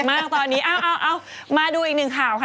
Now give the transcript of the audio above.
มากตอนนี้เอามาดูอีกหนึ่งข่าวค่ะ